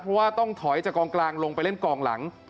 เพราะว่าต้องถอยจากกองกลางลงไปเล่นกองหลัง